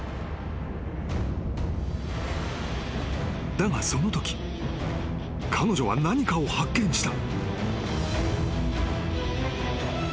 ［だがそのとき彼女は何かを発見した］